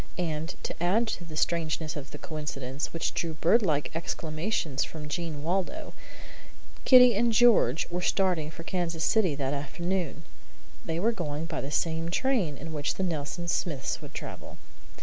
And to add to the strangeness of the coincidence, which drew birdlike exclamations from Jean Waldo, George and Kitty were starting for Kansas City that afternoon. They were going by the same train in which the Nelson Smiths would travel.